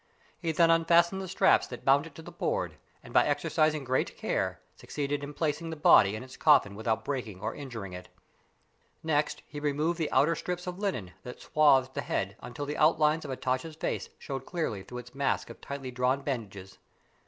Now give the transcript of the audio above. He then unfastened the straps that bound it to the board, and by exercising great care succeeded in placing the body in its coffin without breaking or injuring it. Next he removed the outer strips of linen that swathed the head until the outlines of Hatatcha's face showed clearly through its mask of tightly drawn bandages.